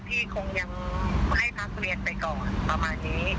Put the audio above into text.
คงยังให้พักเรียนไปก่อนประมาณนี้